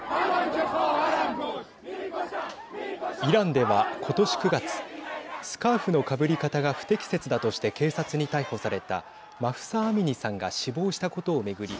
イランでは今年９月スカーフのかぶり方が不適切だとして警察に逮捕されたマフサ・アミニさんが死亡したことを巡り